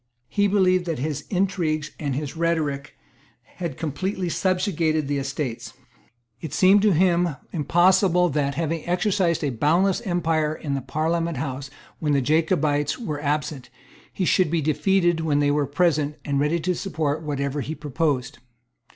He believed that his intrigues and his rhetoric had completely subjugated the Estates. It seemed to him impossible that, having exercised a boundless empire in the Parliament House when the Jacobites were absent, he should be defeated when they were present, and ready to support whatever he proposed.